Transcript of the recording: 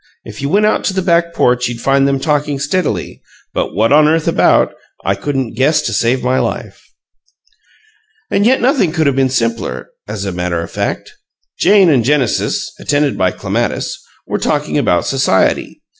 If you went out to the back porch you'd find them talking steadily but what on earth about I couldn't guess to save my life!" And yet nothing could have been simpler: as a matter of fact, Jane and Genesis (attended by Clematis) were talking about society.